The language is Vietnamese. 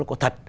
nó có thật